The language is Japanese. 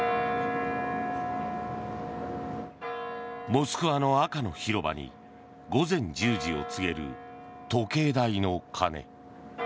モスクワの赤の広場に午前１０時を告げる時計台の鐘。